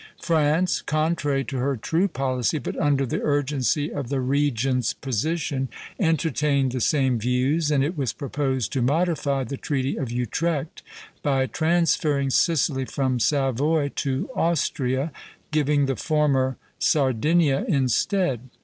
France, contrary to her true policy, but under the urgency of the regent's position, entertained the same views, and it was proposed to modify the Treaty of Utrecht by transferring Sicily from Savoy to Austria, giving the former Sardinia instead.